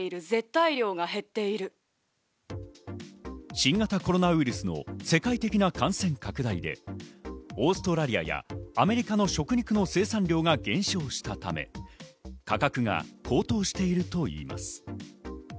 新型コロナウイルスの世界的な感染拡大でオーストラリアやアメリカの食肉の生産量が減少したため、価格が高騰しているといいます。